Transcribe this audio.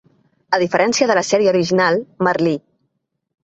A diferència de la sèrie original, Merlí.